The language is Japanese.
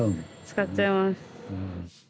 使っちゃいます。